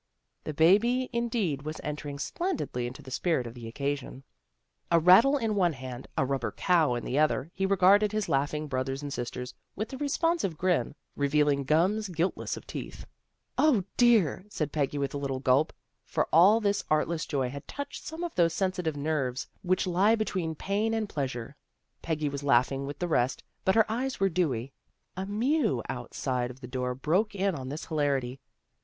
" The baby, indeed, was entering splendidly into the spirit of the occasion. A rattle in one CHRISTMAS CELEBRATIONS 211 hand, a rubber cow in the other, he regarded his laughing brothers and sisters with a respon sive grin, revealing gums guiltless of teeth. " The dear! " said Peggy with a little gulp, for all this artless joy had touched some of those sensitive nerves which he between pain and pleasure. Peggy was laughing with the rest, but her eyes were dewy. A mew outside of the door broke in on this hilarity.